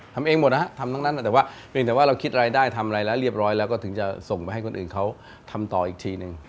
ทำเองหมดนะฮะทำทั้งนั้นแต่ว่าเพียงแต่ว่าเราคิดรายได้ทำอะไรแล้วเรียบร้อยแล้วก็ถึงจะส่งไปให้คนอื่นเขาทำต่ออีกทีหนึ่ง